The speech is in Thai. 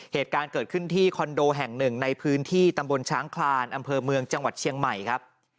เหตุการณ์เกิดขึ้นที่คอนโดแห่งหนึ่งในพื้นที่ตำบลช้างคลานอำเภอเมืองจังหวัดเชียงใหม่ครับ